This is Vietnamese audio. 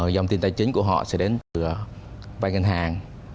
dòng tiền tài chính của họ sẽ đến từ vay ngân hàng